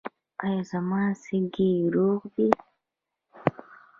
ایا زما سږي روغ دي؟